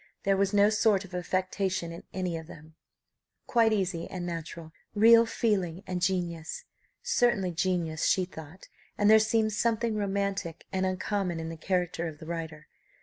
There was no sort of affectation in them quite easy and natural, "real feeling, and genius," certainly genius, she thought! and there seemed something romantic and uncommon in the character of the writer.